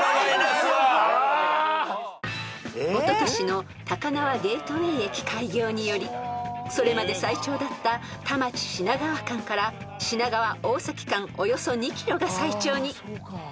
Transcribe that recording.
［おととしの高輪ゲートウェイ駅開業によりそれまで最長だった田町品川間から品川大崎間およそ２ｋｍが最長に］